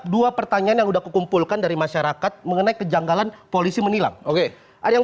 dua pertanyaan yang udah kompulkan dari masyarakat mengenai kejanggalan polisi menilai ada yang